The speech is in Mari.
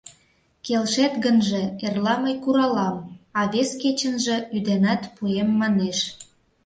Келшет гынже, эрла мый куралам, а вес кечынже ӱденат пуэм, манеш.